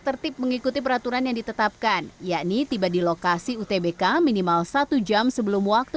tertib mengikuti peraturan yang ditetapkan yakni tiba di lokasi utbk minimal satu jam sebelum waktu